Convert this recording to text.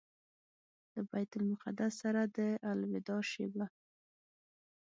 له بیت المقدس سره د الوداع شېبه.